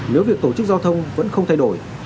nếu việc tổ chức giao thông vẫn không thay đổi